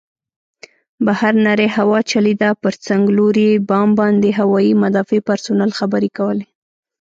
بهر نرۍ هوا چلېده، پر څنګلوري بام باندې هوايي مدافع پرسونل خبرې کولې.